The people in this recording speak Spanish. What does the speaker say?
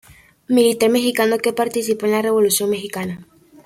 Militar mexicano que participó en la Revolución mexicana.